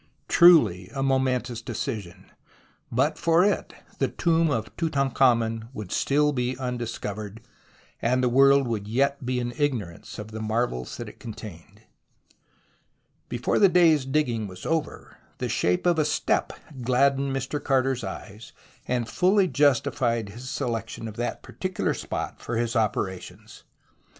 Truly a momentous decision. But for it the tomb of Tutankhamen would still be undiscovered, and the world would yet be in ignorance of the marvels that it contained. Before the day's digging was over, the shape of a step gladdened Mr. Carter's eyes, and fully justified his selection of that par ticular spot for his operations.